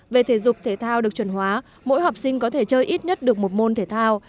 về thể dục thể thao được chuẩn hóa mỗi học sinh có thể chơi ít nhất được một môn thể thao